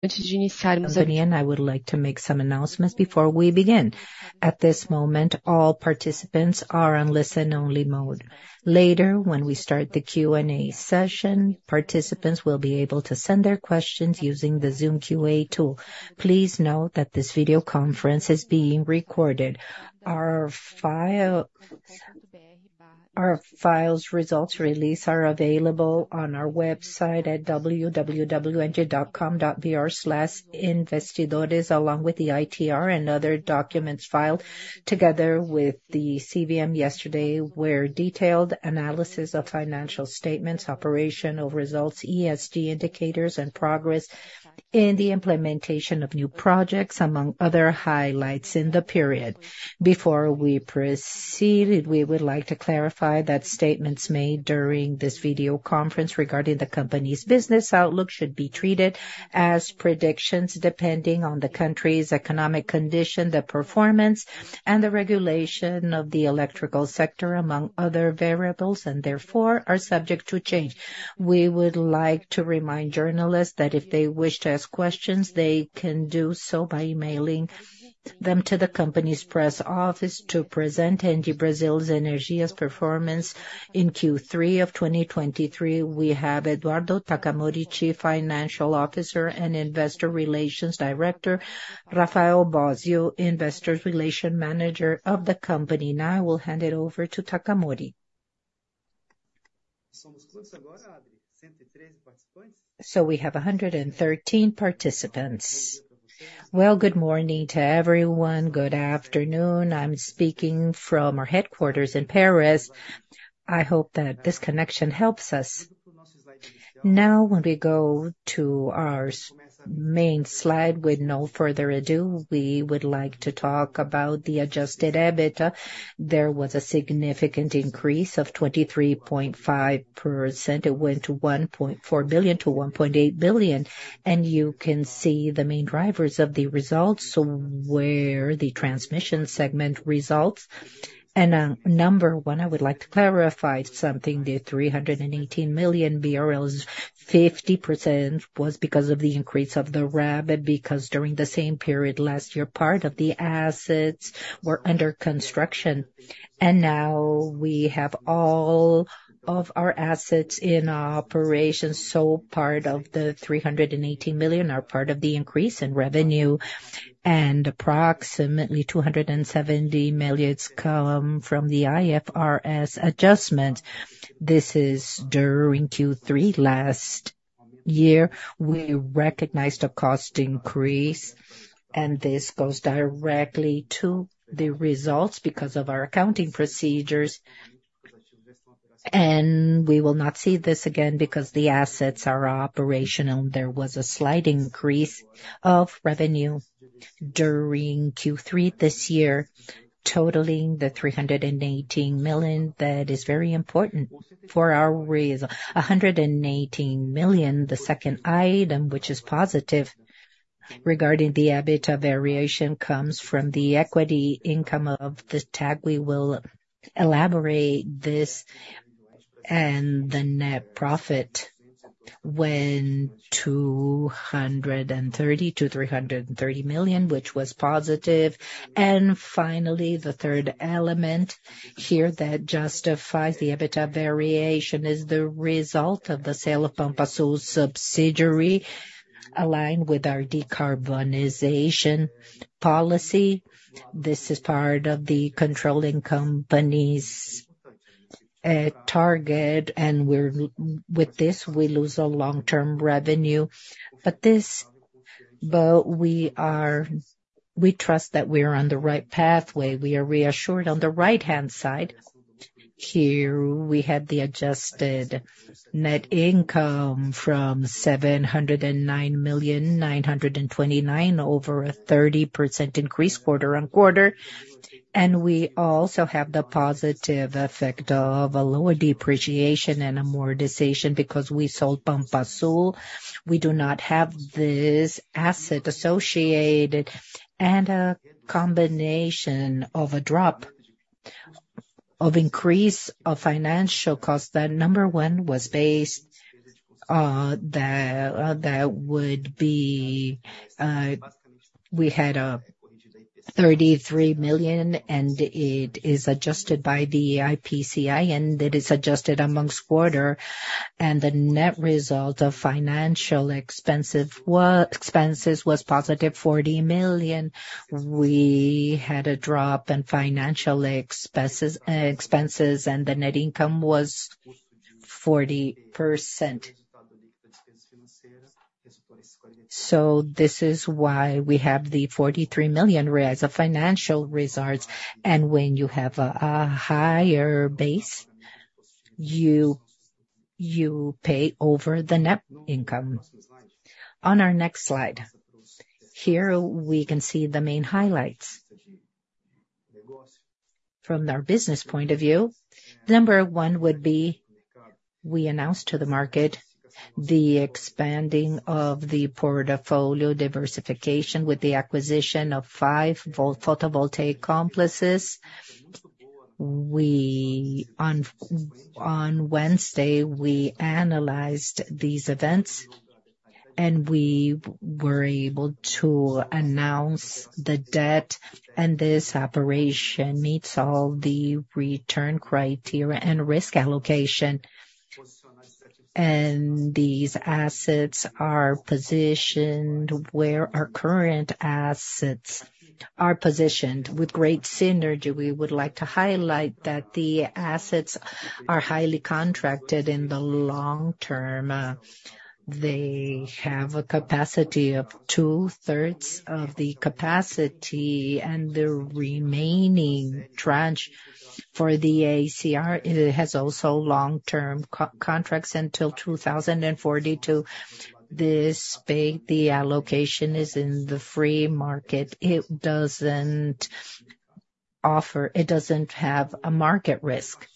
I would like to make some announcements before we begin. At this moment, all participants are on listen-only mode. Later, when we start the Q&A session, participants will be able to send their questions using the Zoom Q&A tool. Please note that this video conference is being recorded. Our results release are available on our website at www.engie.com.br/investidores, along with the ITR and other documents filed together with the CVM yesterday, where detailed analysis of financial statements, operational results, ESG indicators, and progress in the implementation of new projects, among other highlights in the period. Before we proceed, we would like to clarify that statements made during this video conference regarding the company's business outlook, should be treated as predictions, depending on the country's economic condition, the performance, and the regulation of the electrical sector, among other variables, and therefore are subject to change. We would like to remind journalists that if they wish to ask questions, they can do so by emailing them to the company's press office. To present ENGIE Brasil Energia's performance in Q3 of 2023, we have Eduardo Takamori, Chief Financial Officer, and Investor Relations Director, Rafael Bósio, Investor Relations Manager of the company. Now, I will hand it over to Takamori. So we have 113 participants. Well, good morning to everyone. Good afternoon. I'm speaking from our headquarters in Paris. I hope that this connection helps us. Now, when we go to our main slide, with no further ado, we would like to talk about the Adjusted EBITDA. There was a significant increase of 23.5%. It went to 1.4 billion-1.8 billion, and you can see the main drivers of the results were the transmission segment results. Number one, I would like to clarify something. The 318 million BRL, 50% was because of the increase of the revenue, because during the same period last year, part of the assets were under construction. And now we have all of our assets in operation, so part of the 318 million are part of the increase in revenue, and approximately 270 million come from the IFRS adjustment. This is during Q3 last year, we recognized a cost increase, and this goes directly to the results because of our accounting procedures. And we will not see this again because the assets are operational. There was a slight increase of revenue during Q3 this year, totaling 318 million. That is very important for our. 118 million, the second item, which is positive regarding the EBITDA variation, comes from the equity income of the TAG. We will elaborate this, and the net profit went to 230 million-330 million, which was positive. Finally, the third element here that justifies the EBITDA variation, is the result of the sale of Pampa Sul subsidiary, aligned with our decarbonization policy. This is part of the controlling company's target, and we're with this, we lose our long-term revenue. But this, we are. We trust that we are on the right pathway. We are reassured. On the right-hand side, here, we had the adjusted net income of 709,929,000, over a 30% increase quarter-on-quarter. We also have the positive effect of a lower depreciation and amortization because we sold Pampa Sul. We do not have this asset associated, and a combination of a drop of increase of financial costs. The number one was based, that would be, we had, thirty-three million, and it is adjusted by the IPCA, and it is adjusted amongst quarter. And the net result of financial expenses was positive 40 million. We had a drop in financial expenses, expenses, and the net income was 40%. So this is why we have the 43 million reais of financial results, and when you have a higher base, you pay over the net income. On our next slide, here, we can see the main highlights. From their business point of view, number one would be, we announced to the market the expanding of the portfolio diversification with the acquisition of five photovoltaic complexes. We, on Wednesday, we analyzed these assets, and we were able to announce the deal, and this operation meets all the return criteria and risk allocation. And these assets are positioned where our current assets are positioned with great synergy. We would like to highlight that the assets are highly contracted in the long term. They have a capacity of two-thirds of the capacity, and the remaining tranche for the ACR, it has also long-term contracts until 2042. This state, the allocation, is in the free market. It doesn't offer. It doesn't have a market risk.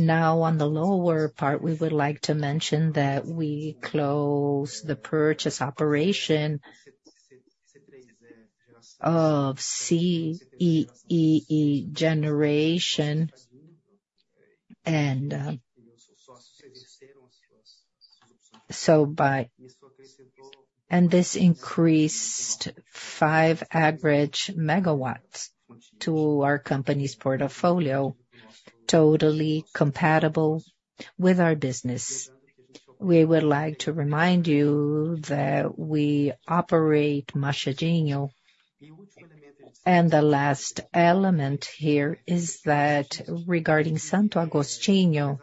Now, on the lower part, we would like to mention that we closed the purchase operation of CEEE-G, and so by and this increased five average megawatts to our company's portfolio, totally compatible with our business. We would like to remind you that we operate Machadinho. And the last element here is that regarding Santo Agostinho,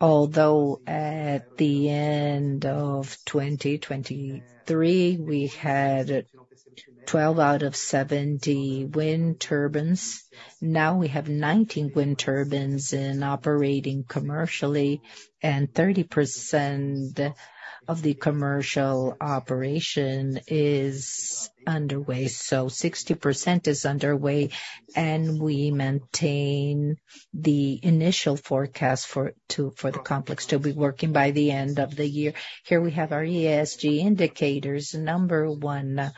although at the end of 2023, we had 12 out of 70 wind turbines, now we have 19 wind turbines and operating commercially, and 30% of the commercial operation is underway. So 60% is underway, and we maintain the initial forecast for the complex to be working by the end of the year. Here we have our ESG indicators. Number one,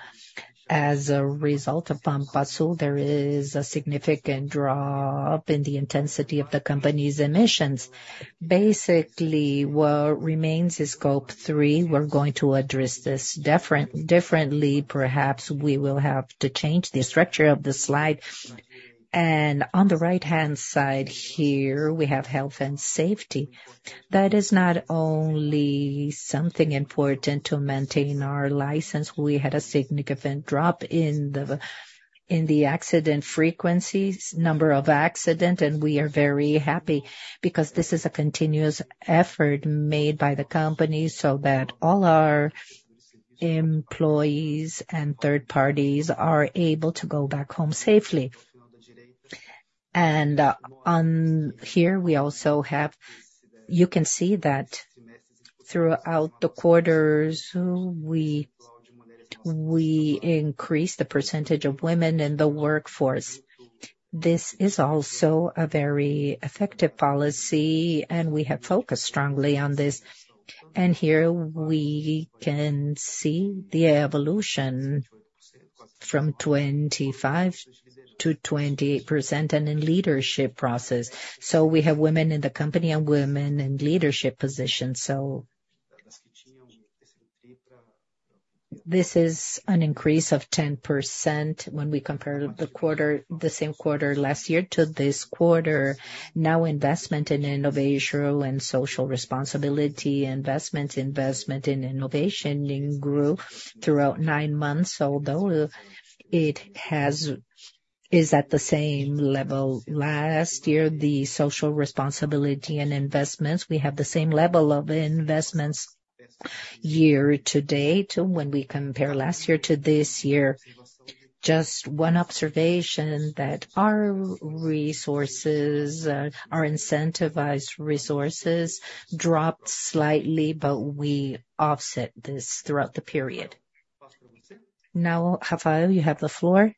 as a result of Pampa Sul, there is a significant drop in the intensity of the company's emissions. Basically, what remains is scope three. We're going to address this different, differently. Perhaps we will have to change the structure of the slide. And on the right-hand side here, we have health and safety. That is not only something important to maintain our license. We had a significant drop in the accident frequencies, number of accident, and we are very happy, because this is a continuous effort made by the company so that all our employees and third parties are able to go back home safely. And on here, we also have. You can see that throughout the quarters, we increase the percentage of women in the workforce. This is also a very effective policy, and we have focused strongly on this. Here we can see the evolution from 25%-28% and in leadership process. So we have women in the company and women in leadership positions. So, this is an increase of 10% when we compare the quarter, the same quarter last year to this quarter. Now, investment in innovation and social responsibility, investment, investment in innovation in growth throughout 9 months, although it has, is at the same level last year, the social responsibility and investments, we have the same level of investments year to date when we compare last year to this year. Just one observation, that our resources, our incentivized resources dropped slightly, but we offset this throughout the period. Now, Rafael, you have the floor.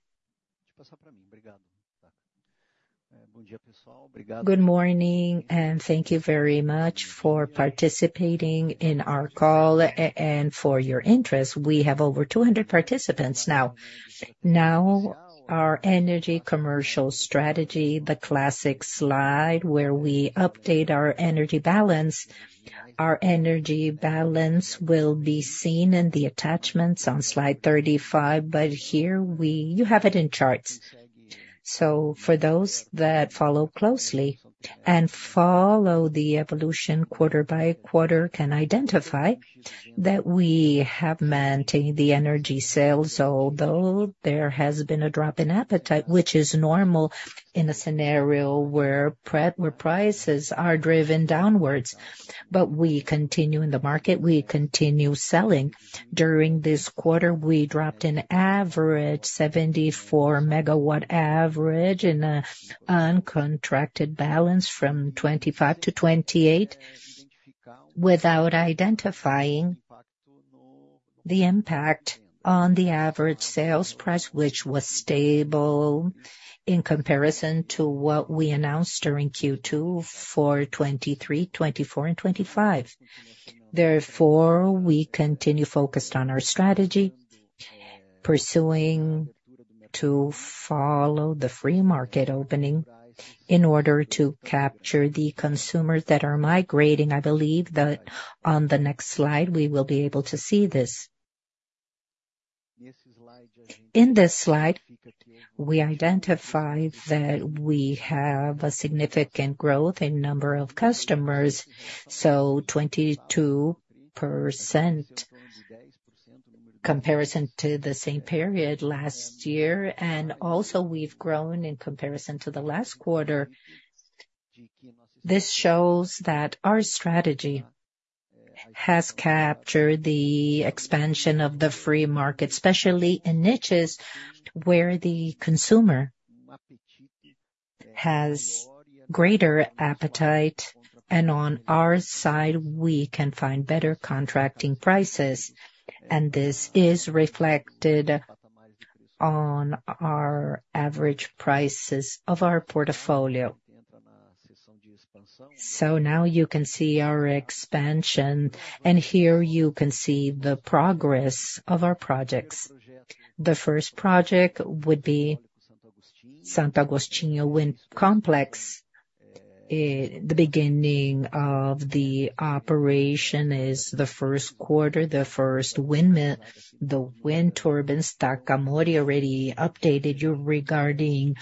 Good morning, and thank you very much for participating in our call and for your interest. We have over 200 participants now. Now, our energy commercial strategy, the classic slide, where we update our energy balance. Our energy balance will be seen in the attachments on slide 35, but here we -- You have it in charts. So for those that follow closely and follow the evolution quarter by quarter, can identify that we have maintained the energy sales, although there has been a drop in appetite, which is normal in a scenario where prices are driven downwards. But we continue in the market, we continue selling. During this quarter, we dropped an average 74 MW average in a uncontracted balance from 2025 to 2028, without identifying the impact on the average sales price, which was stable in comparison to what we announced during Q2 for 2023, 2024 and 2025. Therefore, we continue focused on our strategy, pursuing to follow the free market opening in order to capture the consumers that are migrating. I believe that on the next slide, we will be able to see this. In this slide, we identify that we have a significant growth in number of customers, so 22% comparison to the same period last year, and also we've grown in comparison to the last quarter. This shows that our strategy has captured the expansion of the free market, especially in niches where the consumer has greater appetite, and on our side, we can find better contracting prices, and this is reflected on our average prices of our portfolio. So now you can see our expansion, and here you can see the progress of our projects. The first project would be Santo Agostinho Wind Complex. The beginning of the operation is the first quarter, the first windmill. Takamori already updated you regarding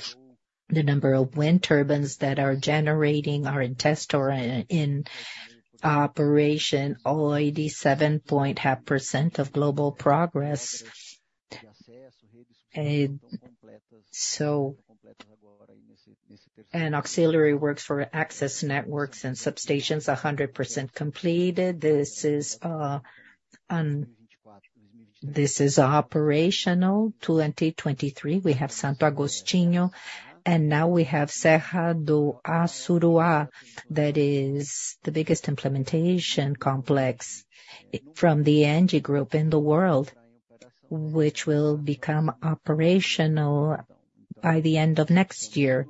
the number of wind turbines that are generating, are in test or in operation, already 7.5% of global progress. And auxiliary works for access networks and substations, 100% completed. This is operational. 2023, we have Santo Agostinho, and now we have Serra do Assuruá, that is the biggest implementation complex from the ENGIE Group in the world, which will become operational by the end of next year.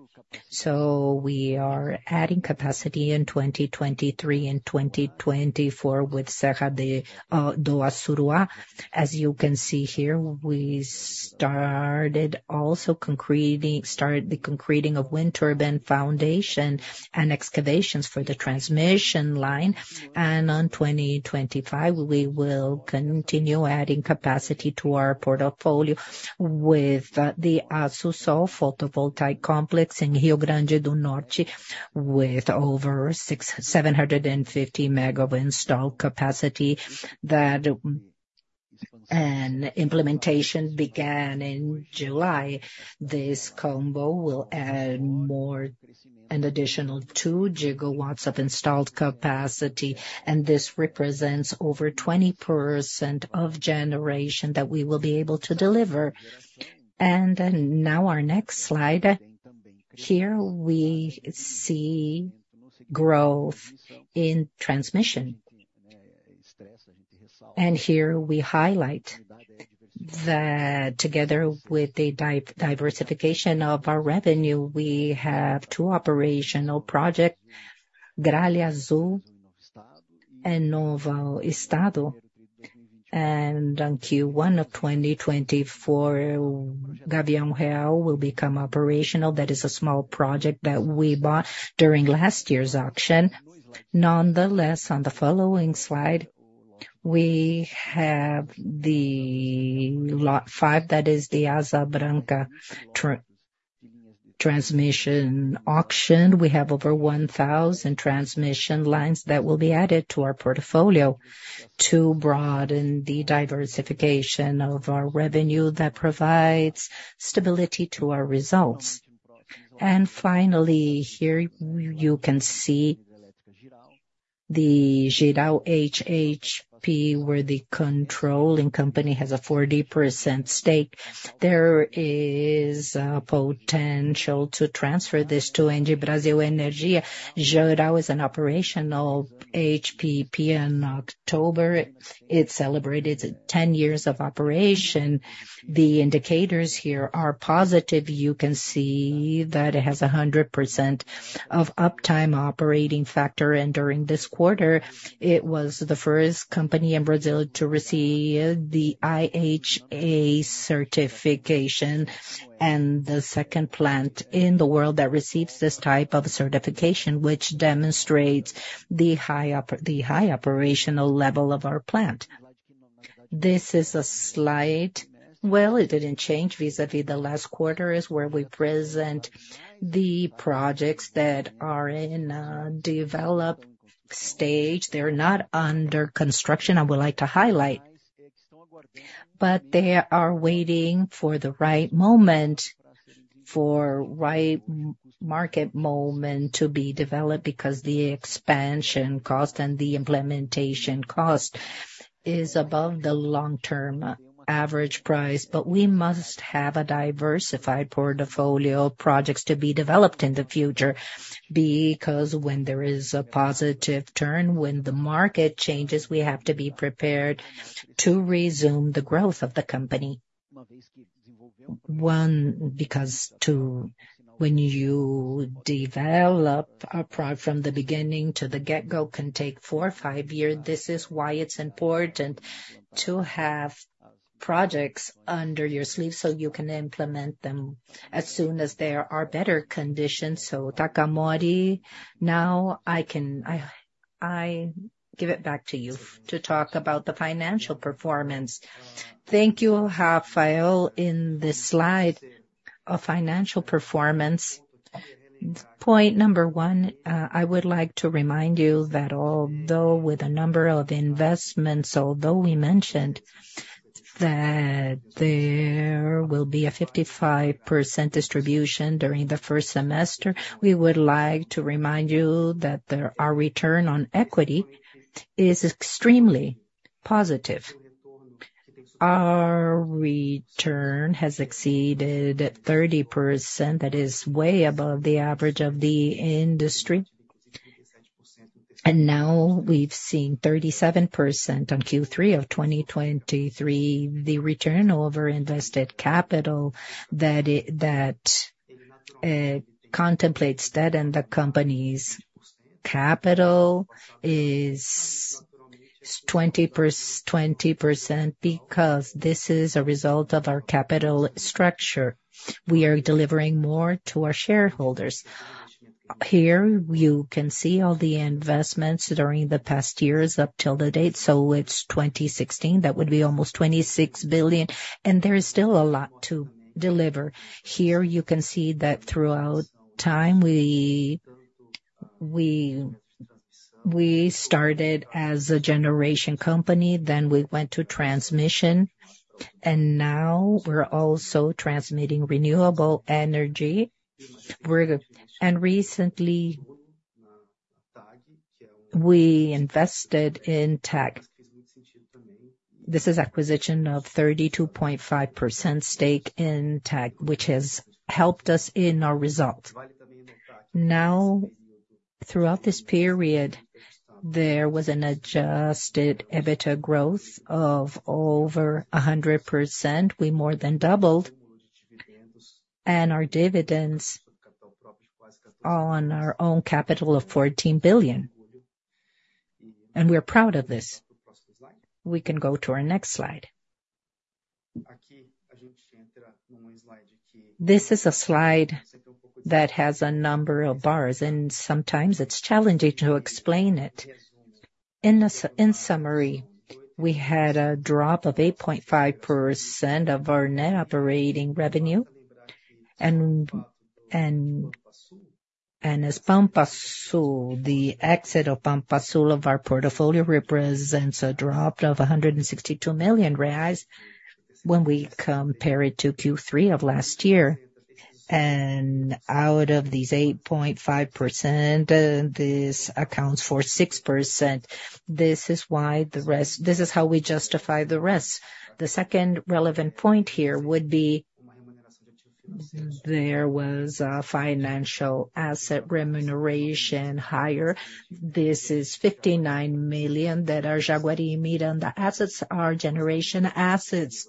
So we are adding capacity in 2023 and 2024 with Serra do Assuruá. As you can see here, we started also concreting, started the concreting of wind turbine foundation and excavations for the transmission line, and on 2025, we will continue adding capacity to our portfolio with the Assú Sol photovoltaic complex in Rio Grande do Norte, with over 650-750 MW of installed capacity that... And implementation began in July. This combo will add more, an additional 2 GW of installed capacity, and this represents over 20% of generation that we will be able to deliver. And then now our next slide. Here, we see growth in transmission. Here, we highlight that together with the diversification of our revenue, we have two operational projects, Gralha Azul and Novo Estado. On Q1 of 2024, Gavião Real will become operational. That is a small project that we bought during last year's auction. Nonetheless, on the following slide, we have lot 5, that is the Asa Branca transmission auction. We have over 1,000 transmission lines that will be added to our portfolio to broaden the diversification of our revenue that provides stability to our results. Finally, here you can see the Jirau HPP, where the controlling company has a 40% stake. There is potential to transfer this to ENGIE Brasil Energia. Jirau is an operational HPP. In October, it celebrated 10 years of operation. The indicators here are positive. You can see that it has 100% of uptime operating factor, and during this quarter, it was the first company in Brazil to receive the IHA certification, and the second plant in the world that receives this type of certification, which demonstrates the high operational level of our plant. This is a slide... Well, it didn't change vis-à-vis the last quarter, is where we present the projects that are in a developed stage. They're not under construction, I would like to highlight, but they are waiting for the right moment, for right market moment to be developed, because the expansion cost and the implementation cost is above the long-term average price. But we must have a diversified portfolio of projects to be developed in the future, because when there is a positive turn, when the market changes, we have to be prepared to resume the growth of the company. One, because to, when you develop a product from the beginning to the get-go, can take four or five years. This is why it's important to have projects under your sleeve, so you can implement them as soon as there are better conditions. So Takamori, now I can—I give it back to you to talk about the financial performance. Thank you, Rafael. In this slide of financial performance, point number one, I would like to remind you that although with a number of investments, although we mentioned that there will be a 55% distribution during the first semester, we would like to remind you that our return on equity is extremely positive. Our return has exceeded 30%, that is way above the average of the industry. Now we've seen 37% on Q3 of 2023, the return over invested capital, that contemplates that, and the company's capital is 20%, because this is a result of our capital structure. We are delivering more to our shareholders. Here, you can see all the investments during the past years up till the date, so it's 2016, that would be almost 26 billion, and there is still a lot to deliver. Here you can see that throughout time, we started as a generation company, then we went to transmission, and now we're also transmitting renewable energy. We're. And recently, we invested in TAG. This is acquisition of 32.5% stake in TAG, which has helped us in our result. Now, throughout this period, there was an Adjusted EBITDA growth of over 100%. We more than doubled, and our dividends are on our own capital of 14 billion, and we are proud of this. We can go to our next slide. This is a slide that has a number of bars, and sometimes it's challenging to explain it. In summary, we had a drop of 8.5% of our net operating revenue. As Pampa Sul, the exit of Pampa Sul from our portfolio, represents a drop of 162 million reais when we compare it to Q3 of last year. And out of these 8.5%, this accounts for 6%. This is why the rest. This is how we justify the rest. The second relevant point here would be, there was a financial asset remuneration higher. This is 59 million, that are Jaguara and Miranda assets, are generation assets.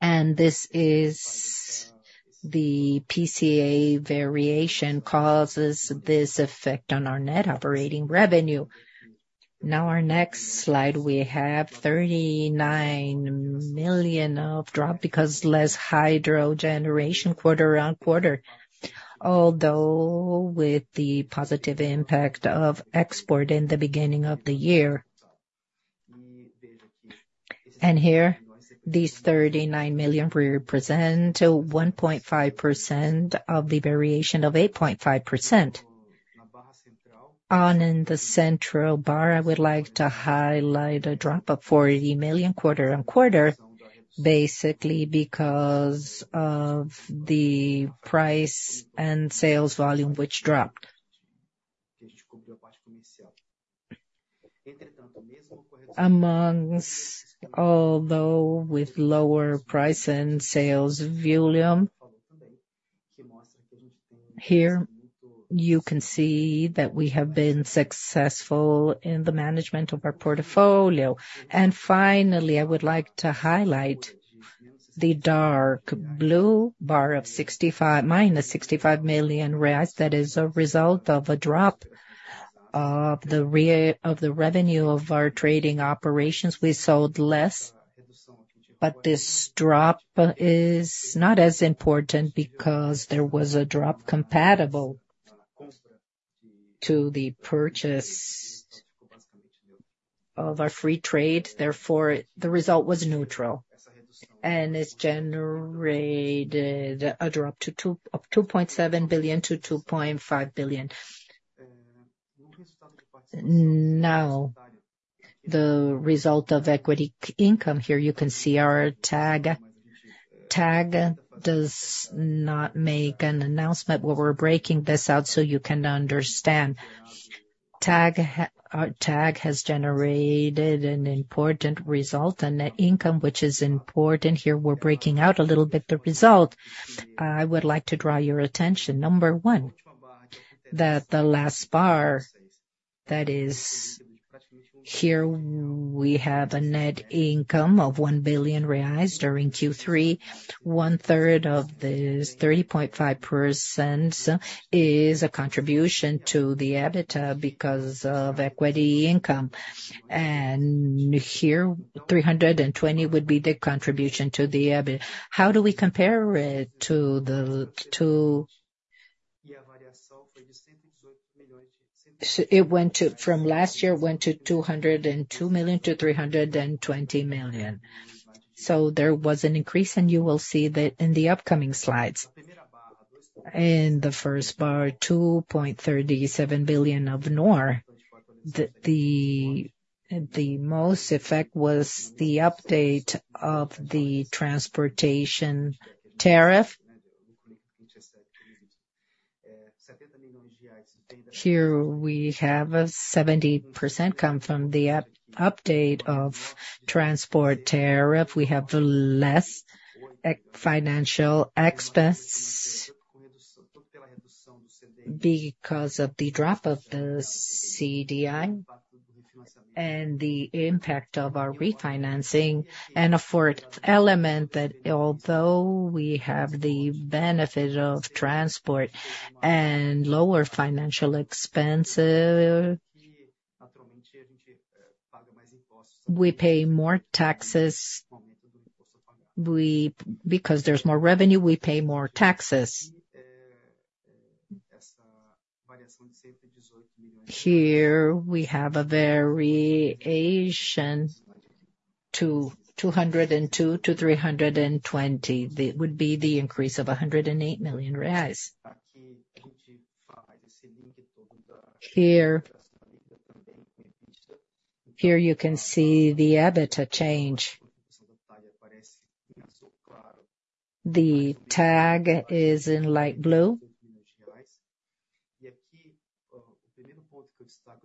And this is the PCA variation causes this effect on our net operating revenue. Now, our next slide, we have 39 million of drop because less hydro generation quarter-on-quarter, although with the positive impact of export in the beginning of the year. And here, these 39 million represent 1.5% of the variation of 8.5%. Now, in the central bar, I would like to highlight a drop of 40 million quarter-on-quarter, basically because of the price and sales volume, which dropped. Although with lower price and sales volume, here, you can see that we have been successful in the management of our portfolio. And finally, I would like to highlight the dark blue bar of -65 million reais. That is a result of a drop of the revenue of our trading operations. We sold less, but this drop is not as important because there was a drop compatible to the purchase of our free trade, therefore, the result was neutral, and it's generated a drop from BRL 2.7 billion-BRL 2.5 billion. Now, the result of equity income, here you can see our TAG. TAG does not make an announcement, but we're breaking this out so you can understand. TAG, our TAG has generated an important result, a net income, which is important. Here, we're breaking out a little bit the result. I would like to draw your attention, number one...... that the last bar, that is, here we have a net income of 1 billion reais during Q3. One third of this 30.5% is a contribution to the EBITDA, because of equity income. And here, 320 would be the contribution to the EBIT. How do we compare it to the, to – so it went from last year to 202 million to 320 million. So there was an increase, and you will see that in the upcoming slides. In the first bar, 2.37 billion of NOR. The most effect was the update of the transportation tariff. Here, we have a 70% come from the update of transport tariff. We have less financial expense, because of the drop of CDI and the impact of our refinancing. And a fourth element, that although we have the benefit of transport and lower financial expense, we pay more taxes. We, because there's more revenue, we pay more taxes. Here, we have a variation to 202-320. That would be the increase of 108 million reais. Here, here you can see the EBITDA change. The TAG is in light blue.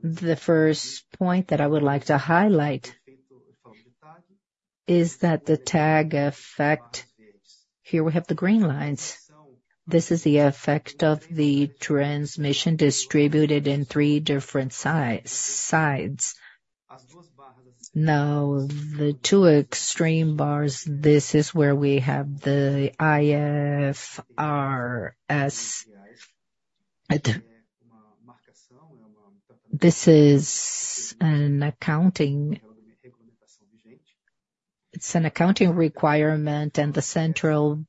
The first point that I would like to highlight is that the TAG effect; here we have the green lines. This is the effect of the transmission distributed in three different sides. Now, the two extreme bars, this is where we have the IFRS. This is an accounting... It's an accounting requirement, and the central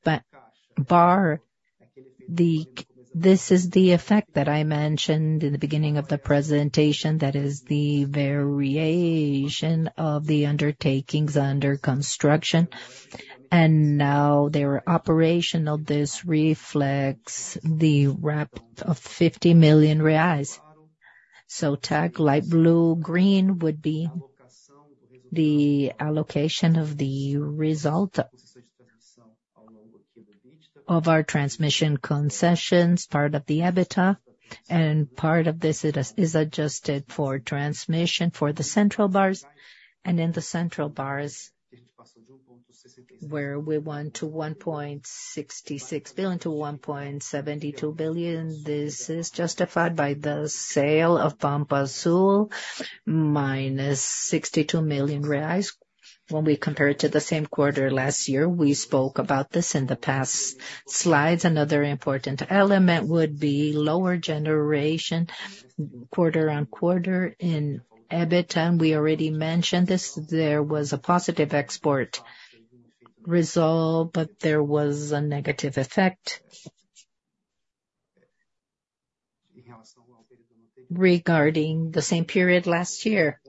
bar, the. This is the effect that I mentioned in the beginning of the presentation, that is the variation of the undertakings under construction. And now, their operation of this reflects the rep of 50 million reais. So TAG, light blue, green would be the allocation of the result of our transmission concessions, part of the EBITDA, and part of this is adjusted for transmission for the central bars. And in the central bars, where we went to 1.66 billion-1.72 billion, this is justified by the sale of Pampa Sul, -62 million reais when we compare it to the same quarter last year. We spoke about this in the past slides. Another important element would be lower generation, quarter-on-quarter in EBITDA, and we already mentioned this. There was a positive export result, but there was a negative effect regarding the same period last year.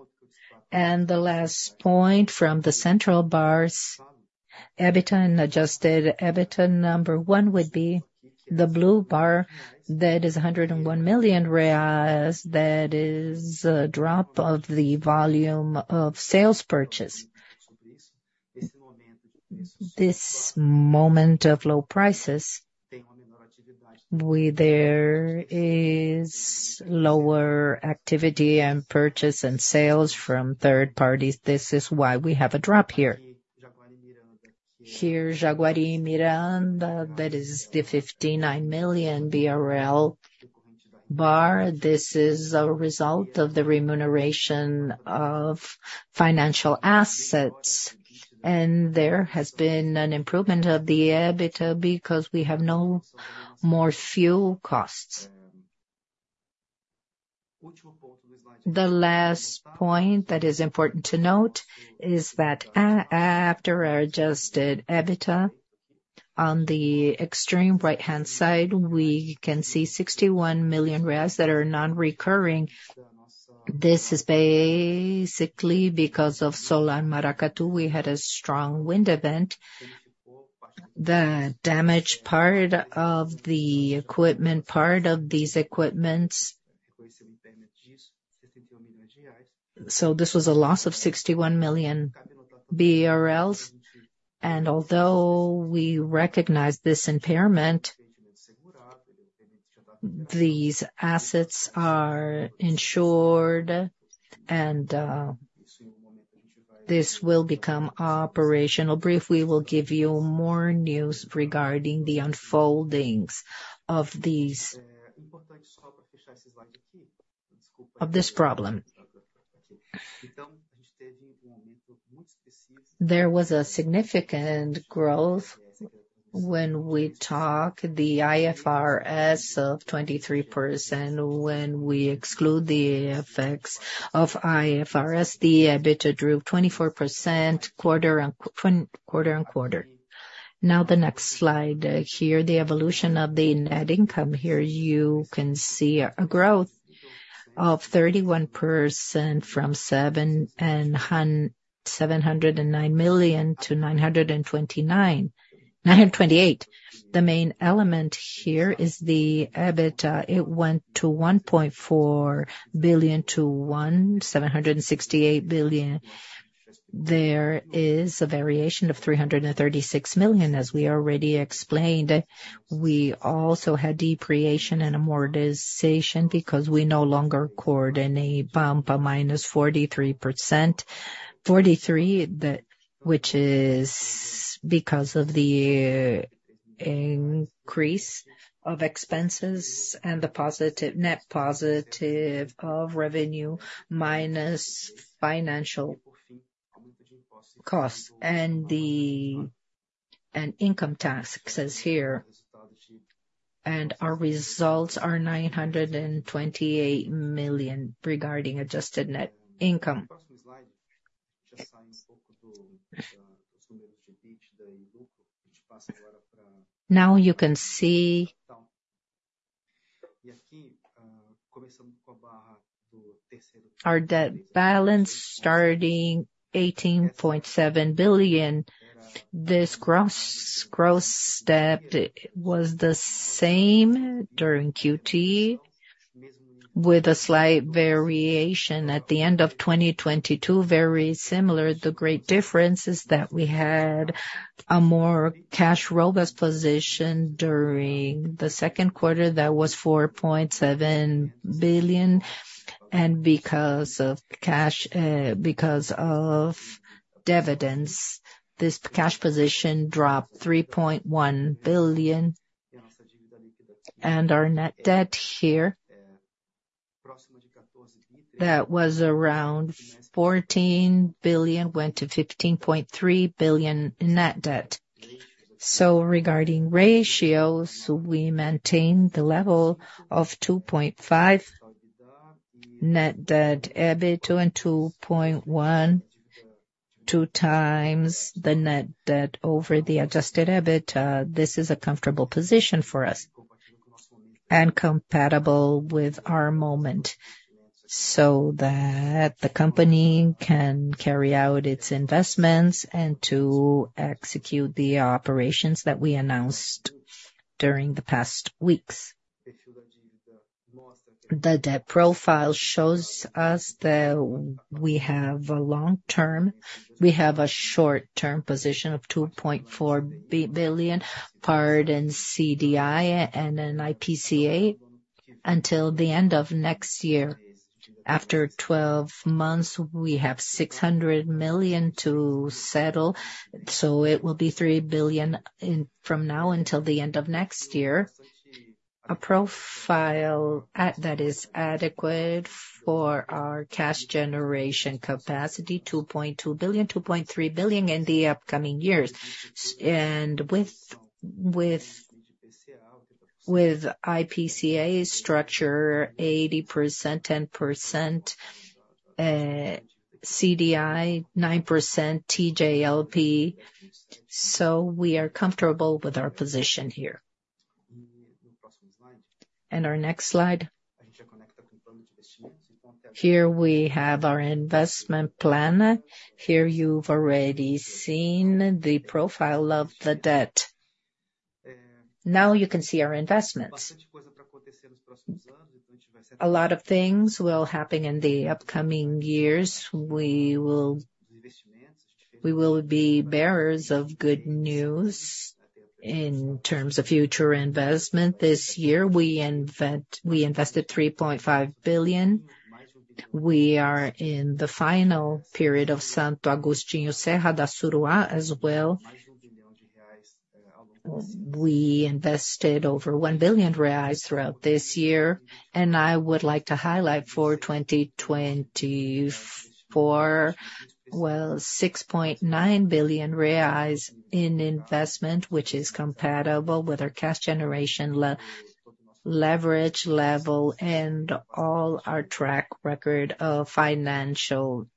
The last point from the central bars, EBITDA and Adjusted EBITDA, number one would be the blue bar. That is 101 million reais. That is a drop of the volume of sales purchase. This moment of low prices, we, there is lower activity and purchase and sales from third parties. This is why we have a drop here. Here, Jaguara and Miranda, that is the 59 million BRL bar. This is a result of the remuneration of financial assets, and there has been an improvement of the EBITDA because we have no more fuel costs. The last point that is important to note is that after our Adjusted EBITDA on the extreme right-hand side, we can see 61 million reais that are non-recurring. This is basically because of Solar Maracatu, we had a strong wind event. The damaged part of the equipment, part of these equipment's. So this was a loss of 61 million BRL, and although we recognize this impairment, these assets are insured. This will become operational. Briefly, we will give you more news regarding the unfolding's of these, of this problem. There was a significant growth when we talk the IFRS of 23%. When we exclude the effects of IFRS, the EBITDA drove 24% quarter-on-quarter. Now, the next slide. Here, the evolution of the net income. Here you can see a growth of 31% from 709 million-928 million. The main element here is the EBITDA. It went to 1.4 billion-1.768 billion. There is a variation of 336 million, as we already explained. We also had depreciation and amortization because we no longer record any Pampa, -43%. Which is because of the increase of expenses and the positive, net positive of revenue, minus financial costs and income taxes here. And our results are 928 million regarding adjusted net income. Now you can see our debt balance starting 18.7 billion. This gross, gross debt was the same during Q2, with a slight variation at the end of 2022, very similar. The great difference is that we had a more cash robust position during the second quarter. That was 4.7 billion, and because of cash, because of dividends, this cash position dropped 3.1 billion. And our net debt here, that was around 14 billion, went to 15.3 billion net debt. So regarding ratios, we maintain the level of 2.5 net debt, EBITDA and 2.1, 2x the net debt over the Adjusted EBITDA. This is a comfortable position for us and compatible with our moment, so that the company can carry out its investments and to execute the operations that we announced during the past weeks. The debt profile shows us that we have a long term. We have a short term position of 2.4 billion, part in CDI and an IPCA until the end of next year. After 12 months, we have 600 million to settle, so it will be 3 billion in, from now until the end of next year. A profile that is adequate for our cash generation capacity, 2.2 billion, 2.3 billion in the upcoming years. And with IPCA structure, 80%, 10% CDI, 9% TJLP. So we are comfortable with our position here. And our next slide. Here we have our investment plan. Here, you've already seen the profile of the debt. Now you can see our investments. A lot of things will happen in the upcoming years. We will be bearers of good news in terms of future investment. This year, we invest, we invested 3.5 billion. We are in the final period of Santo Agostinho, Serra do Assuruá as well. We invested over 1 billion reais throughout this year, and I would like to highlight for 2024, well, 6.9 billion reais in investment, which is compatible with our cash generation leverage level and all our track record of financial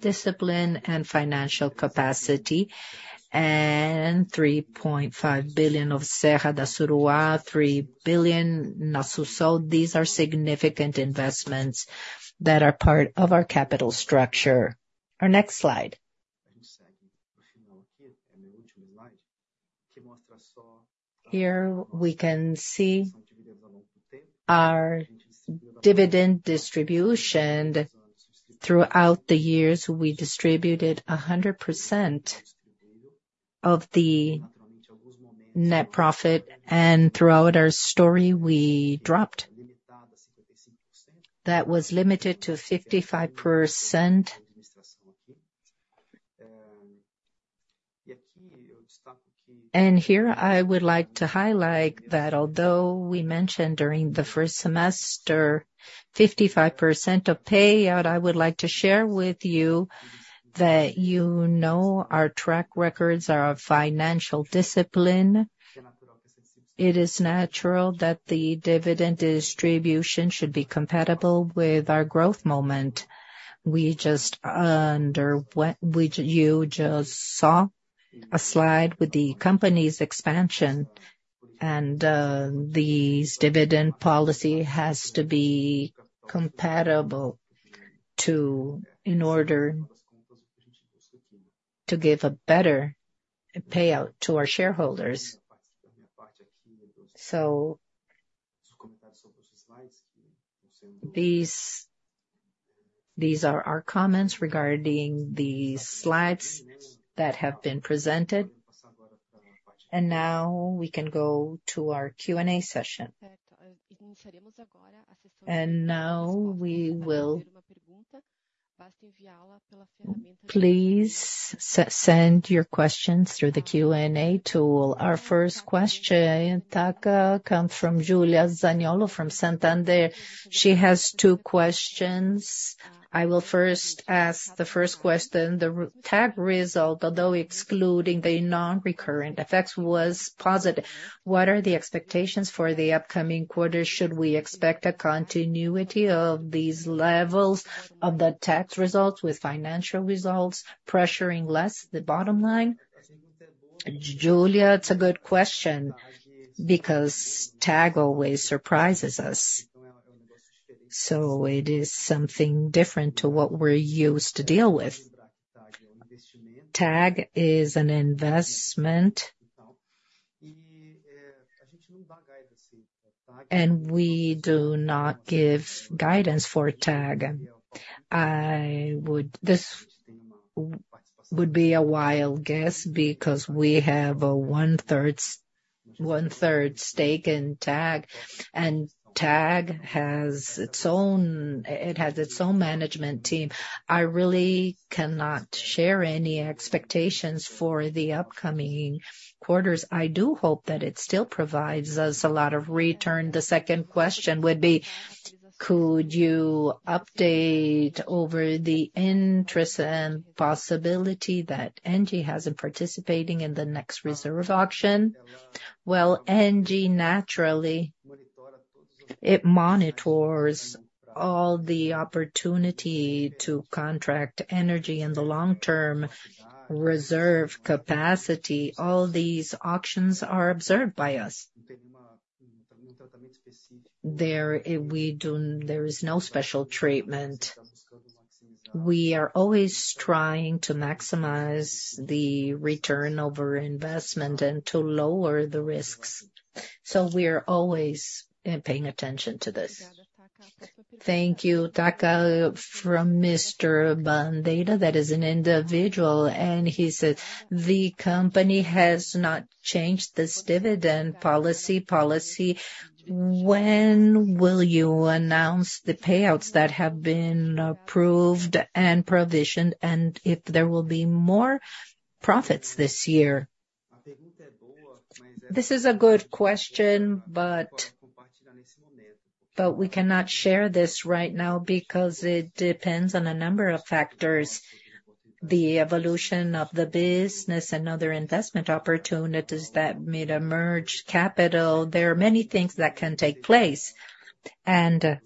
discipline and financial capacity, and 3.5 billion of Serra do Assuruá, 3 billion Assú Sol. These are significant investments that are part of our capital structure. Our next slide. Here we can see our dividend distribution. Throughout the years, we distributed 100% of the net profit, and throughout our story, we dropped. That was limited to 55%. And here, I would like to highlight that although we mentioned during the first semester, 55% of payout, I would like to share with you, that you know our track records are of financial discipline. It is natural that the dividend distribution should be compatible with our growth moment. You just saw a slide with the company's expansion, and this dividend policy has to be compatible to, in order to give a better payout to our shareholders. So, these are our comments regarding the slides that have been presented, and now we can go to our Q&A session. Please send your questions through the Q&A tool. Our first question, Taka, comes from Julia Zaniolo, from Santander. She has two questions. I will first ask the first question: The TAG result, although excluding the non-recurrent effects, was positive. What are the expectations for the upcoming quarter? Should we expect a continuity of these levels of the TAG results with financial results, pressuring less the bottom line? Julia, it's a good question, because TAG always surprises us. So it is something different to what we're used to deal with. TAG is an investment, and we do not give guidance for TAG. I would – this would be a wild guess, because we have a 1/3, 1/3 stake in TAG, and TAG has its own, it has its own management team. I really cannot share any expectations for the upcoming quarters. I do hope that it still provides us a lot of return. The second question would be: Could you update over the interest and possibility that ENGIE has in participating in the next reserve auction? Well, ENGIE, naturally, it monitors all the opportunity to contract energy in the long term, reserve capacity. All these auctions are observed by us. There, we do—there is no special treatment. We are always trying to maximize the return over investment and to lower the risks, so we are always paying attention to this. Thank you, Taka. From Mr. Bandeira, that is an individual, and he said, "The company has not changed this dividend policy. When will you announce the payouts that have been approved and provisioned, and if there will be more profits this year?" This is a good question, but we cannot share this right now because it depends on a number of factors, the evolution of the business and other investment opportunities that may emerge, capital. There are many things that can take place, and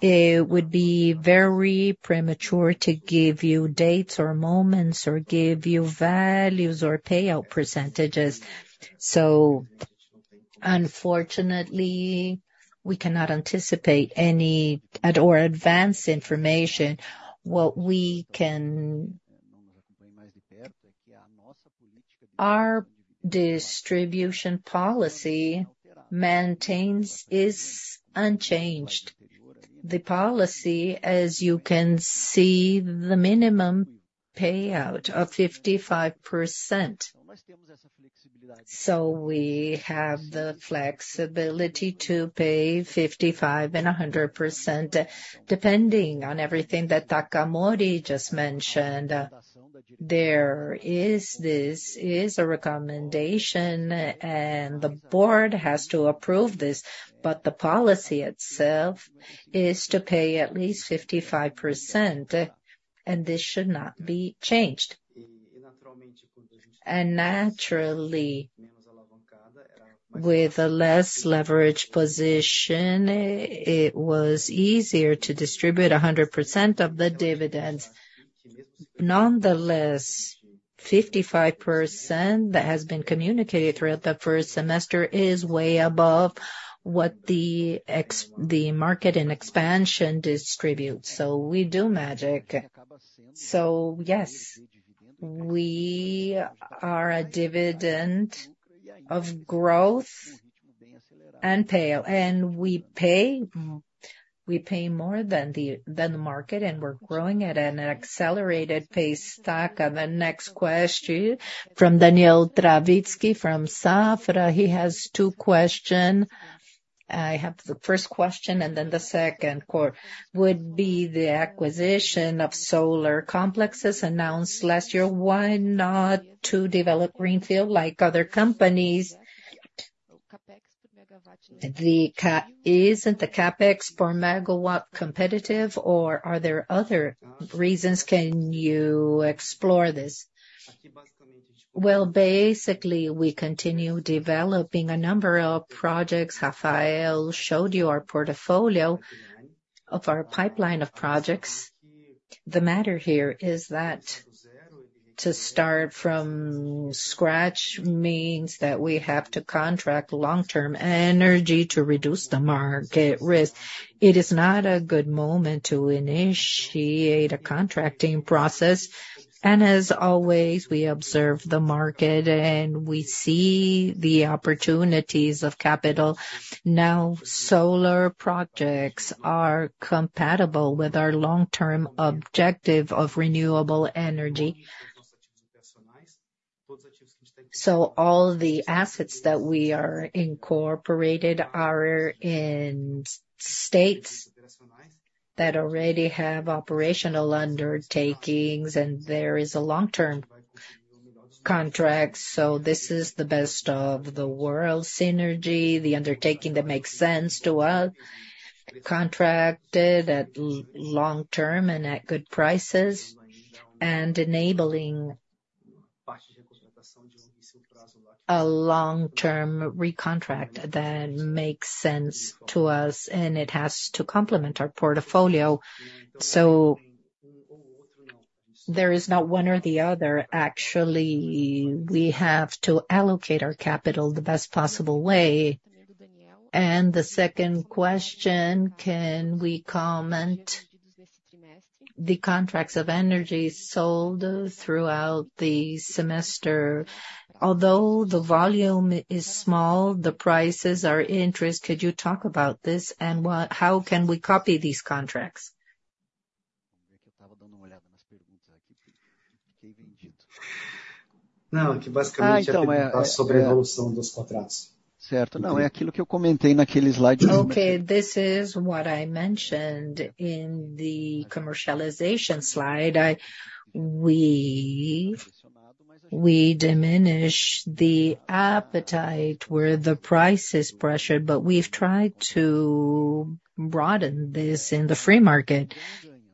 it would be very premature to give you dates or moments, or give you values or payout percentages. So unfortunately, we cannot anticipate any or advance information. What we can... Our distribution policy maintains, is unchanged. The policy, as you can see, the minimum payout of 55%. So we have the flexibility to pay 55%-100%, depending on everything that Takamori just mentioned. There is, this is a recommendation, and the board has to approve this, but the policy itself is to pay at least 55%, and this should not be changed. And naturally, with a less leverage position, it was easier to distribute 100% of the dividends. Nonetheless, 55% that has been communicated throughout the first semester is way above what the ex- the market and expansion distributes. So we do magic. So yes, we are a dividend of growth and payout, and we pay, we pay more than the, than the market, and we're growing at an accelerated pace. Taka, the next question from Daniel Travitzky, from Safra. He has two questions.... I have the first question, and then the second question would be the acquisition of solar complexes announced last year. Why not to develop greenfield like other companies? Isn't the CapEx per megawatt competitive, or are there other reasons? Can you explore this? Well, basically, we continue developing a number of projects. Rafael showed you our portfolio of our pipeline of projects. The matter here is that to start from scratch means that we have to contract long-term energy to reduce the market risk. It is not a good moment to initiate a contracting process, and as always, we observe the market, and we see the opportunities of capital. Now, solar projects are compatible with our long-term objective of renewable energy. So all the assets that we are incorporated are in states that already have operational undertakings, and there is a long-term contract. So this is the best of the world synergy, the undertaking that makes sense to us, contracted at long term and at good prices, and enabling a long-term recontract that makes sense to us, and it has to complement our portfolio. So there is not one or the other. Actually, we have to allocate our capital the best possible way. And the second question, can we comment the contracts of energy sold throughout the semester? Although the volume is small, the prices are interesting. Could you talk about this, and what how can we copy these contracts? Okay, this is what I mentioned in the commercialization slide. We diminish the appetite where the price is pressured, but we've tried to broaden this in the free market,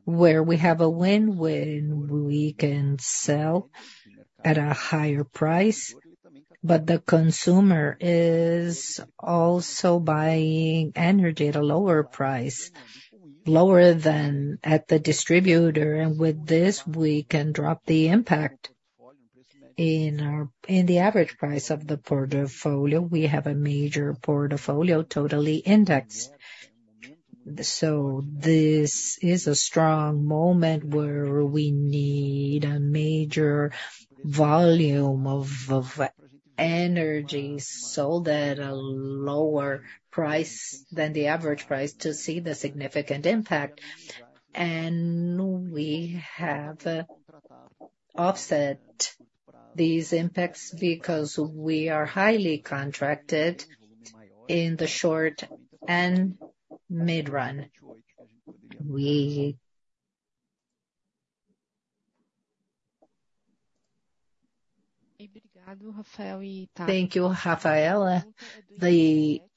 where we have a win-win. We can sell at a higher price, but the consumer is also buying energy at a lower price, lower than at the distributor. And with this, we can drop the impact in our in the average price of the portfolio. We have a major portfolio, totally indexed. So this is a strong moment where we need a major volume of energy sold at a lower price than the average price to see the significant impact. And we have offset these impacts because we are highly contracted in the short and mid-run. We... Thank you, Rafael. Thank you, Rafaela.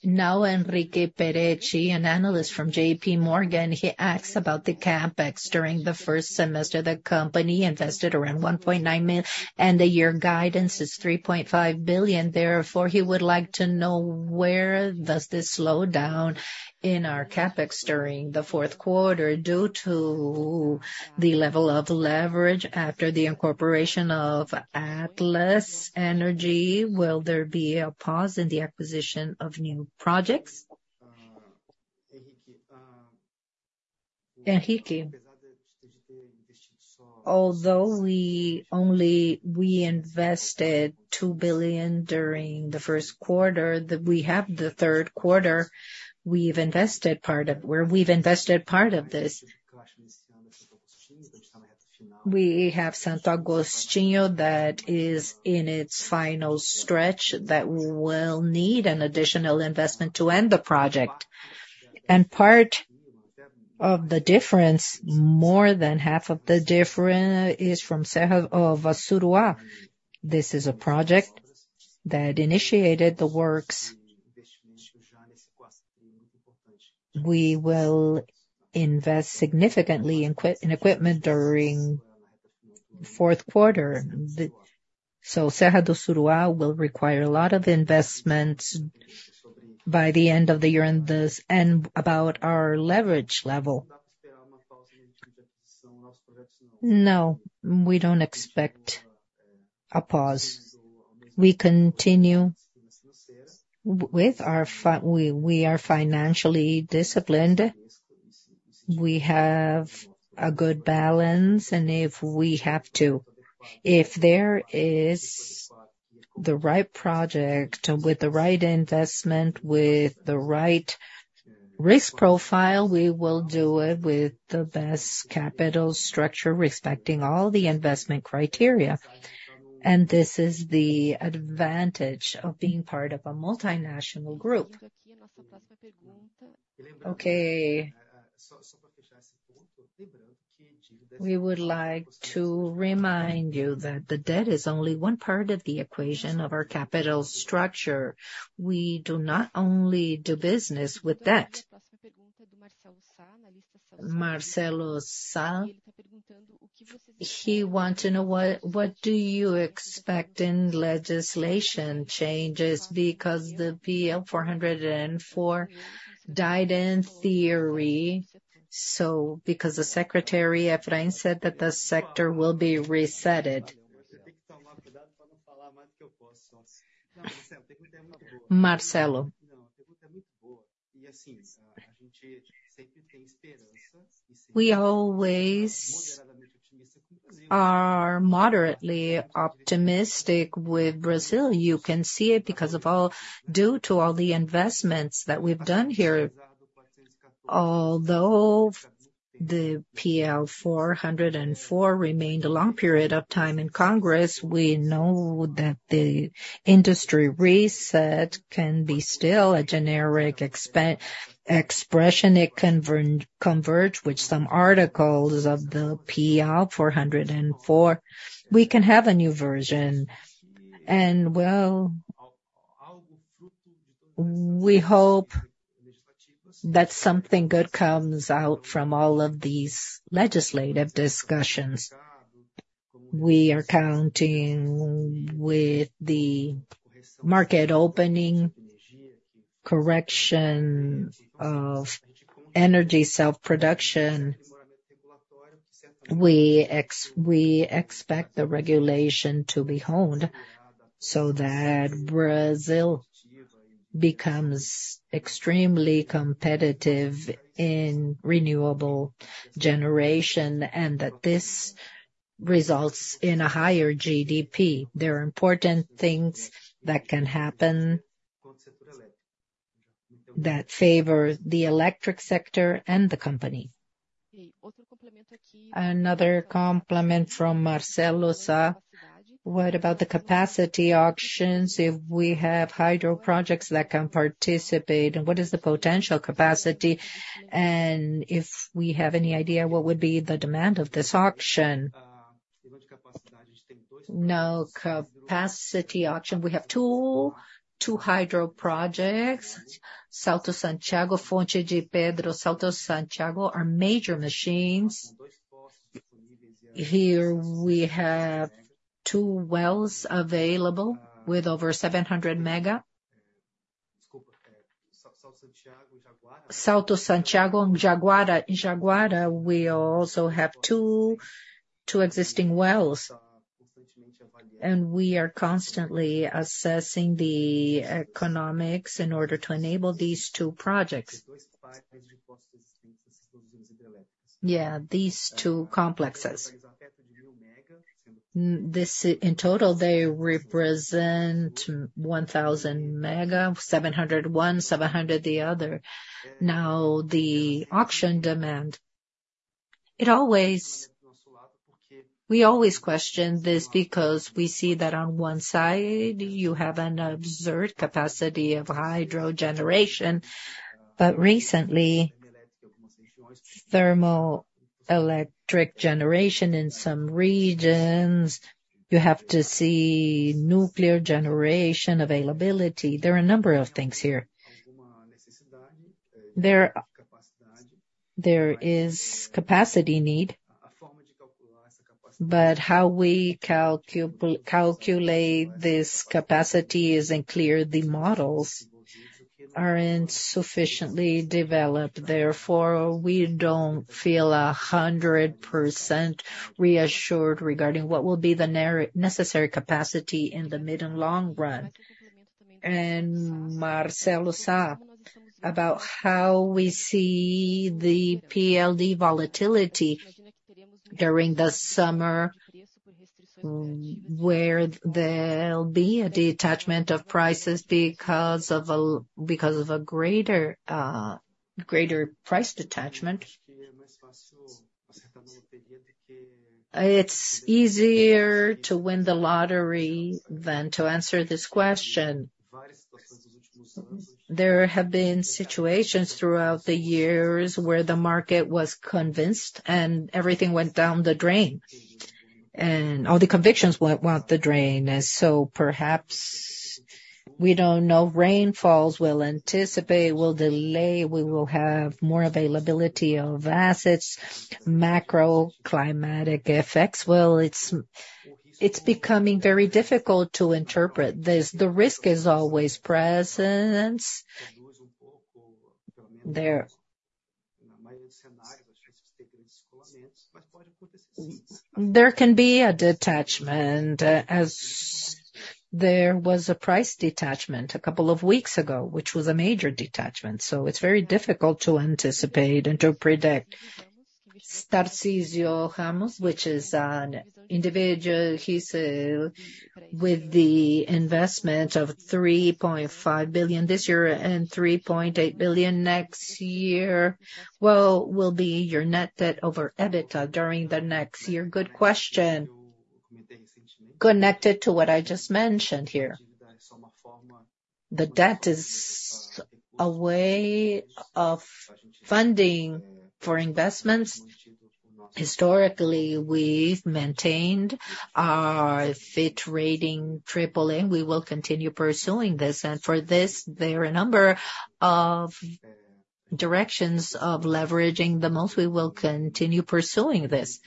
Now, Henrique Perichi, an analyst from JPMorgan, he asks about the CapEx. During the first semester, the company invested around 1.9 million, and the year guidance is 3.5 billion. Therefore, he would like to know, where does this slow down in our CapEx during the fourth quarter due to the level of leverage after the incorporation of Atlas Energy? Will there be a pause in the acquisition of new projects? Enrique, although we only invested 2 billion during the first quarter, in the third quarter, we've invested part of this, where we've invested part of this. We have Santo Agostinho, that is in its final stretch, that will need an additional investment to end the project. And part of the difference, more than half of the difference, is from Serra do Assuruá. This is a project that initiated the works. We will invest significantly in equipment during fourth quarter. So Serra do Assuruá will require a lot of investment by the end of the year, and about our leverage level. No, we don't expect a pause. We continue with our financial—we are financially disciplined. We have a good balance, and if we have to, if there is the right project with the right investment, with the right...risk profile, we will do it with the best capital structure, respecting all the investment criteria. And this is the advantage of being part of a multinational group. Okay. We would like to remind you that the debt is only one part of the equation of our capital structure. We do not only do business with debt. Marcelo Sá, he wants to know what, what do you expect in legislation changes? Because the PL 414 died in theory, so because the Secretary Efrain said that the sector will be reset. Marcelo. We always are moderately optimistic with Brazil. You can see it due to all the investments that we've done here. Although the PL 414 remained a long period of time in Congress, we know that the industry reset can be still a generic expression. It can converge with some articles of the PL 414. We can have a new version, and well, we hope that something good comes out from all of these legislative discussions. We are counting with the market opening, correction of energy self-production. We expect the regulation to be honed so that Brazil becomes extremely competitive in renewable generation, and that this results in a higher GDP. There are important things that can happen that favor the electric sector and the company. Another complement from Marcelo Sá: What about the capacity auctions, if we have hydro projects that can participate, and what is the potential capacity? And if we have any idea, what would be the demand of this auction? Now, capacity auction, we have two, two hydro projects, Salto Santiago, Ponte de Pedra. Salto Santiago are major machines. Here we have two wells available with over 700 mega. Salto Santiago and Jaguara. In Jaguara, we also have two, two existing wells, and we are constantly assessing the economics in order to enable these two projects. Yeah, these two complexes. This, in total, they represent 1,000 mega, 700 one, 700 the other. Now, the auction demand, it always. We always question this because we see that on one side, you have an observed capacity of hydro generation, but recently, thermoelectric generation in some regions, you have to see nuclear generation availability. There are a number of things here. There is capacity need, but how we calculate this capacity isn't clear. The models aren't sufficiently developed, therefore, we don't feel a hundred percent reassured regarding what will be the necessary capacity in the mid and long run. And Marcelo Sa, about how we see the PLD volatility during the summer, where there'll be a detachment of prices because of a greater price detachment. It's easier to win the lottery than to answer this question. There have been situations throughout the years where the market was convinced and everything went down the drain, and all the convictions went down the drain. So perhaps we don't know. Rainfalls will anticipate, will delay, we will have more availability of assets, macro climatic effects. Well, it's becoming very difficult to interpret this. The risk is always present. There can be a detachment, as there was a price detachment a couple of weeks ago, which was a major detachment, so it's very difficult to anticipate and to predict.... Tarcísio Ramos, which is an individual. He said, with the investment of 3.5 billion this year and 3.8 billion next year, what will be your net debt over EBITDA during the next year? Good question. Connected to what I just mentioned here, the debt is a way of funding for investments. Historically, we've maintained our Fitch rating triple A, and we will continue pursuing this. For this, there are a number of directions of leveraging the most. We will continue pursuing this.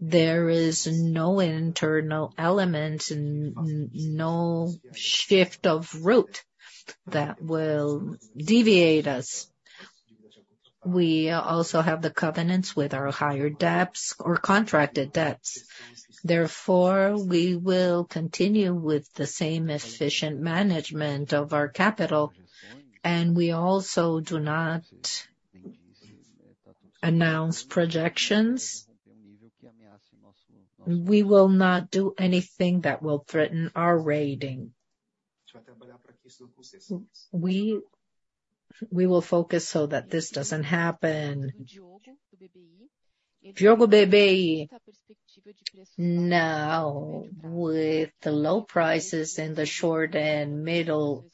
There is no internal element and no shift of route that will deviate us. We also have the covenants with our debtholders or contracted debts. Therefore, we will continue with the same efficient management of our capital, and we also do not announce projections. We will not do anything that will threaten our rating. We will focus so that this doesn't happen. Diogo Weber, now, with the low prices in the short and middle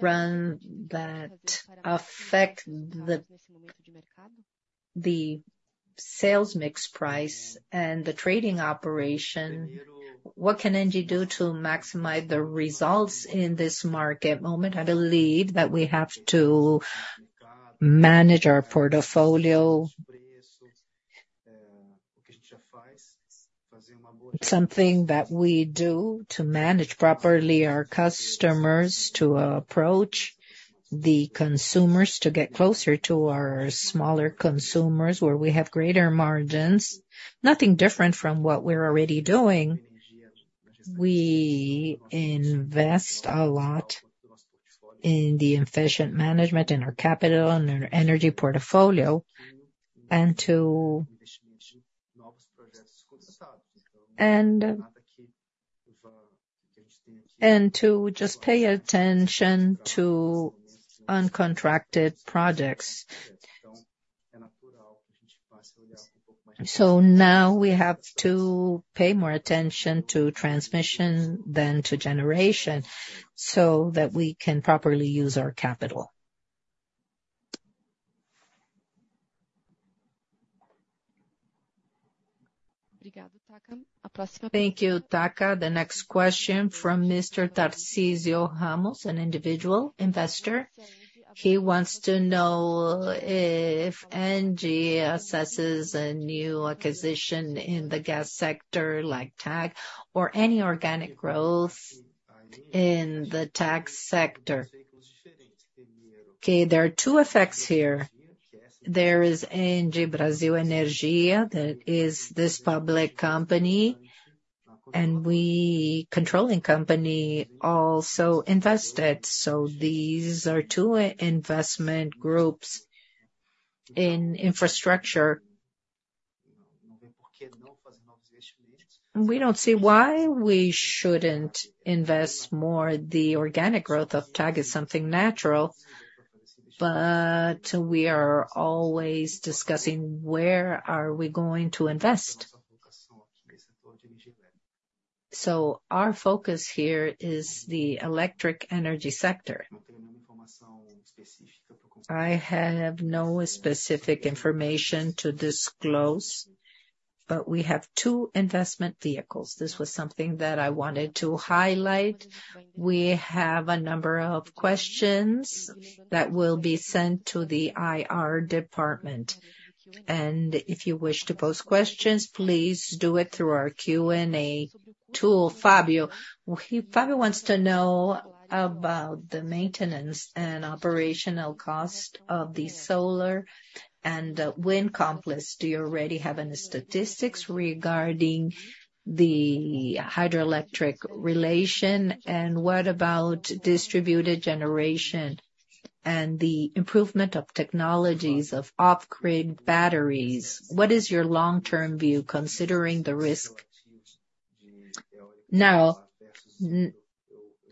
run that affect the sales mix price and the trading operation, what can NG do to maximize the results in this market moment? I believe that we have to manage our portfolio. Something that we do to manage properly our customers, to approach the consumers, to get closer to our smaller consumers, where we have greater margins, nothing different from what we're already doing. We invest a lot in the efficient management, in our capital, in our energy portfolio, and to just pay attention to uncontracted projects. So now we have to pay more attention to transmission than to generation, so that we can properly use our capital. Thank you, Taka. The next question from Mr. Tarcísio Ramos, an individual investor. He wants to know if ENGIE assesses a new acquisition in the gas sector, like TAG, or any organic growth in the TAG sector. Okay, there are two effects here. There is ENGIE Brasil Energia, that is this public company, and we, controlling company, also invested. So these are two investment groups in infrastructure. We don't see why we shouldn't invest more. The organic growth of TAG is something natural, but we are always discussing where are we going to invest. So our focus here is the electric energy sector. I have no specific information to disclose, but we have two investment vehicles. This was something that I wanted to highlight. We have a number of questions that will be sent to the IR department, and if you wish to pose questions, please do it through our Q&A tool. Fabio, Fabio wants to know about the maintenance and operational cost of the solar and wind complex. Do you already have any statistics regarding the hydroelectric relation? And what about distributed generation and the improvement of technologies of off-grid batteries? What is your long-term view, considering the risk? Now,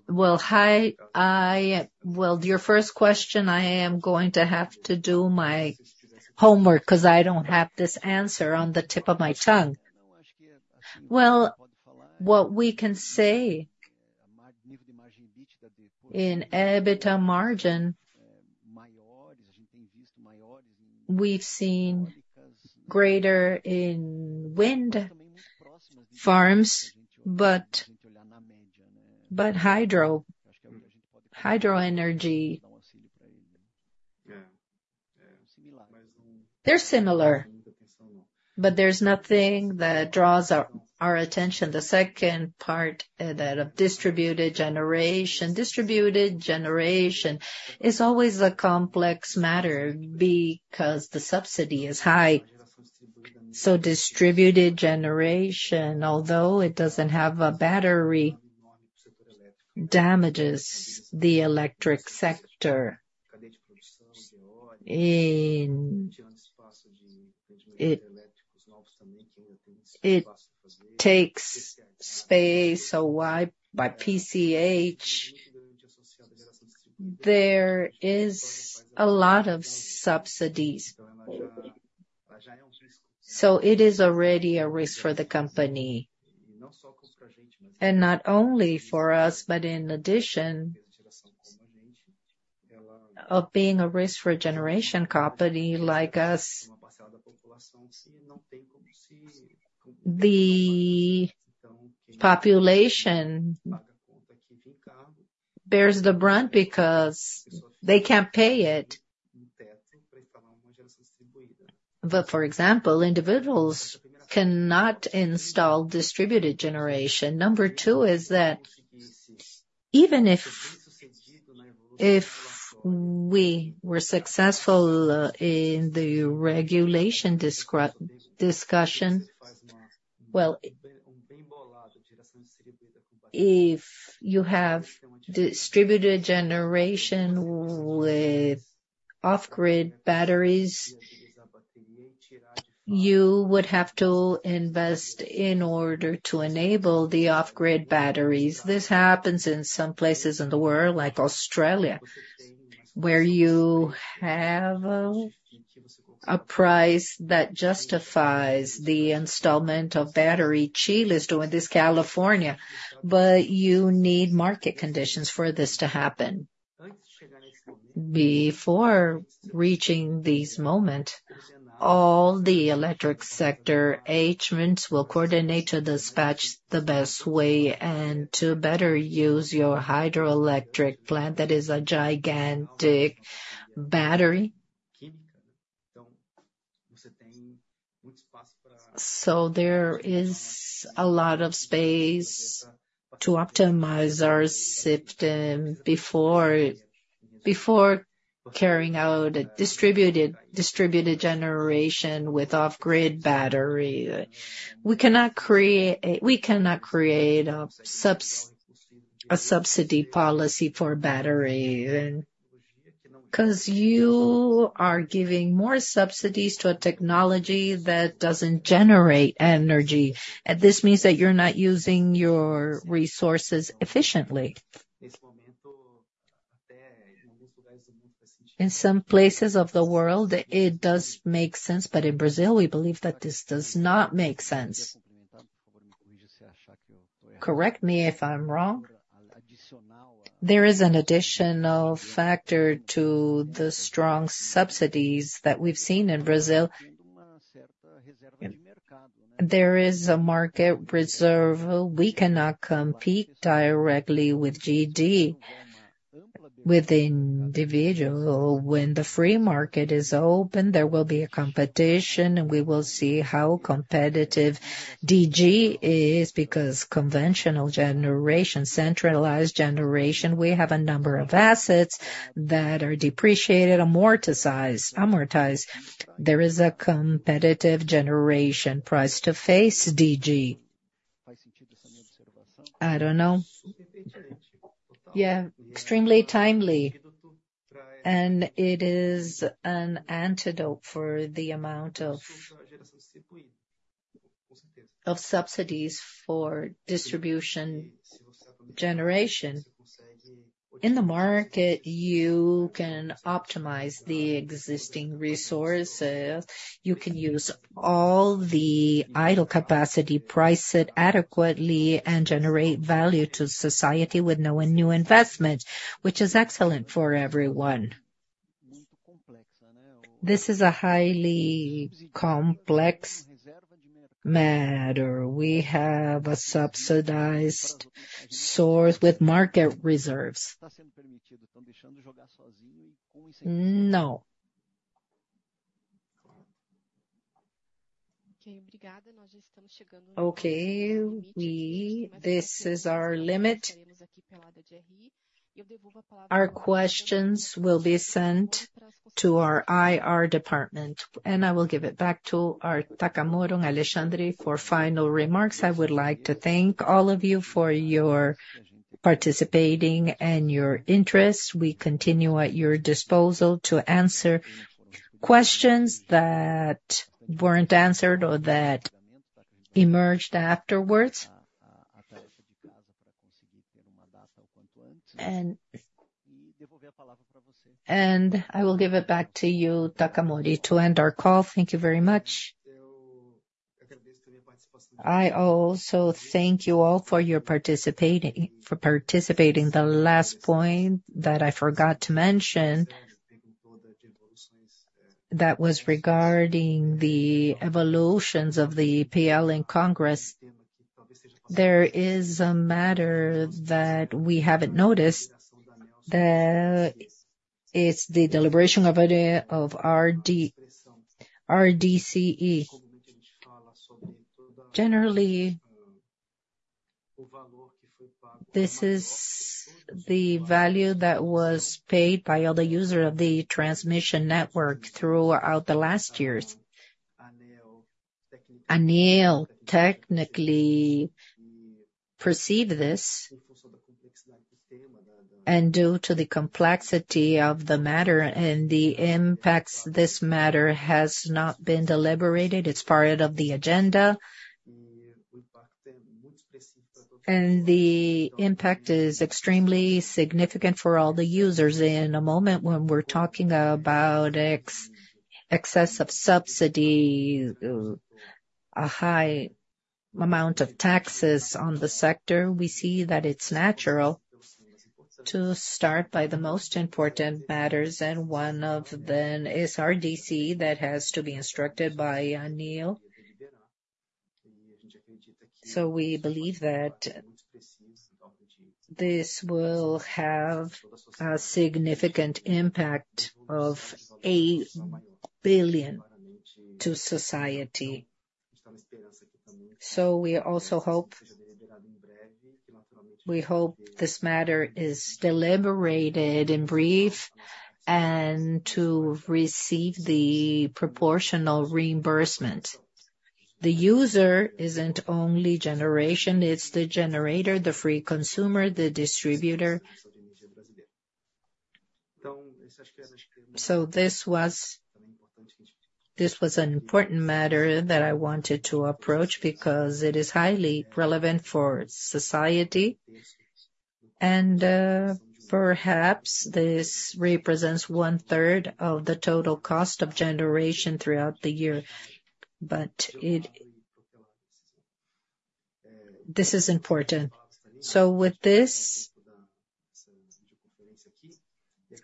well, hi, I... Well, your first question, I am going to have to do my homework, because I don't have this answer on the tip of my tongue. Well, what we can say, in EBITDA margin, we've seen greater in wind farms, but hydro energy, they're similar, but there's nothing that draws our attention. The second part, that of distributed generation. Distributed generation is always a complex matter because the subsidy is high. So distributed generation, although it doesn't have a battery damages the electric sector. It takes space, so why by PCH? There is a lot of subsidies. So it is already a risk for the company. And not only for us, but in addition, of being a risk for a generation company like us, the population bears the brunt because they can't pay it. But for example, individuals cannot install distributed generation. Number 2 is that, even if we were successful in the regulation discussion, well, if you have distributed generation with off-grid batteries, you would have to invest in order to enable the off-grid batteries. This happens in some places in the world, like Australia, where you have a price that justifies the installation of battery. Chile is doing this, California, but you need market conditions for this to happen. Before reaching this moment, all the electric sector agents will coordinate to dispatch the best way, and to better use your hydroelectric plant, that is a gigantic battery. So there is a lot of space to optimize our system before carrying out a distributed generation with off-grid battery. We cannot create a subsidy policy for battery, and 'cause you are giving more subsidies to a technology that doesn't generate energy, and this means that you're not using your resources efficiently. In some places of the world, it does make sense, but in Brazil, we believe that this does not make sense. Correct me if I'm wrong. There is an additional factor to the strong subsidies that we've seen in Brazil. There is a market reserve. We cannot compete directly with GD, with individual. When the free market is open, there will be a competition, and we will see how competitive DG is, because conventional generation, centralized generation, we have a number of assets that are depreciated, amortized. There is a competitive generation price to face DG. I don't know. Yeah, extremely timely. It is an antidote for the amount of subsidies for distributed generation. In the market, you can optimize the existing resources. You can use all the idle capacity, price it adequately, and generate value to society with no new investment, which is excellent for everyone. This is a highly complex matter. We have a subsidized source with market reserves. No. Okay, we—this is our limit. Our questions will be sent to our IR department, and I will give it back to our Takamori for final remarks. I would like to thank all of you for your participating and your interest. We continue at your disposal to answer questions that weren't answered or that emerged afterwards. And I will give it back to you, Takamori, to end our call. Thank you very much. I also thank you all for your participating, for participating. The last point that I forgot to mention, that was regarding the evolutions of the PL in Congress. There is a matter that we haven't noticed. The, it's the deliberation of, of RDCE. Generally, this is the value that was paid by all the user of the transmission network throughout the last years. ANEEL technically perceive this, and due to the complexity of the matter and the impacts, this matter has not been deliberated. It's part of the agenda. And the impact is extremely significant for all the users. In a moment, when we're talking about excess of subsidy, a high amount of taxes on the sector, we see that it's natural to start by the most important matters, and one of them is RDCE, that has to be instructed by ANEEL. So we believe that this will have a significant impact of 1 billion to society. So we also hope, we hope this matter is deliberated in brief, and to receive the proportional reimbursement. The user isn't only generation, it's the generator, the free consumer, the distributor. So this was, this was an important matter that I wanted to approach, because it is highly relevant for society. And, perhaps this represents one-third of the total cost of generation throughout the year. But it—This is important. So with this,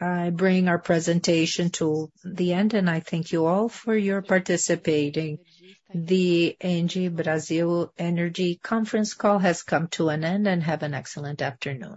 I bring our presentation to the end, and I thank you all for your participating. The ENGIE Brasil Energia conference call has come to an end, and have an excellent afternoon.